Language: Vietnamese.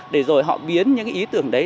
để rồi họ biến những ý tưởng đấy